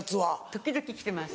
時々着てます